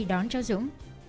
đón chó dũng